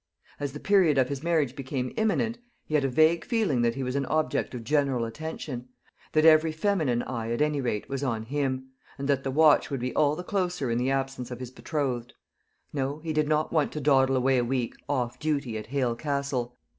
As the period of his marriage became imminent, he had a vague feeling that he was an object of general attention; that every feminine eye, at any rate, was on him; and that the watch would be all the closer in the absence of his betrothed No, he did not want to dawdle away a week (off duty) at Hale Castle.